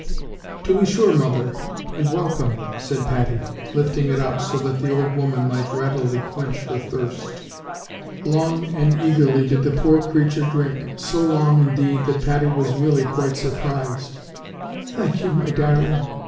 "To be sure, mother, and welcome," said Patty, lifting it up so that the old woman might readily quench her thirst. Long and eagerly did the poor creature drink: so long, indeed, that Patty was really quite surprised. "Thank you, my darling.